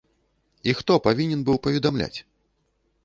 І хто павінен быў паведамляць?